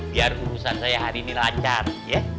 biar urusan saya hari ini lancar ya